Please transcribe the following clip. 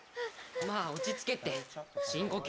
まあ落ち着けって、深呼吸。